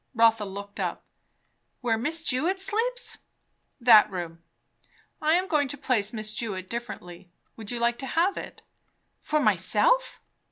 Rotha looked up. "Where Miss Jewett sleeps?" "That room. I am going to place Miss Jewett differently. Would you like to have it?" "For myself?"